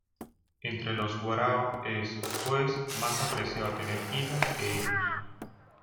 Entre los Warao es, pues, más apreciado tener hijas que hijos.